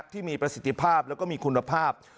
ที่มีประสิทธิภาพแล้วก็มีคุณภาพ